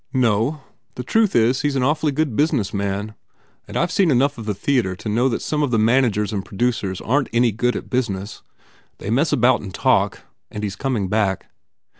"No. The truth is, he s an awfully good busi ness man. And I ve seen enough of the theatre to see that some of the managers and producers aren t any good at business. They mess about and talk and He s coming back."